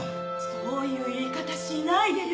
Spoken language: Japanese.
そういう言い方しないでよ。